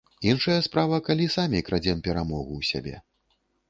Іншая справа, калі самі крадзем перамогу ў сябе.